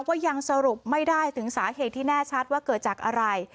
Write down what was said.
ก็ยังสรุปไม่ได้ถึงสาเหตุที่แน่ชัดว่าเกิดจากอะไร